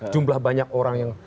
jumlah banyak orang yang